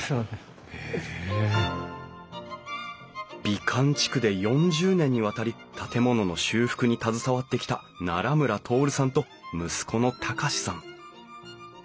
美観地区で４０年にわたり建物の修復に携わってきた村徹さんと息子の崇さん。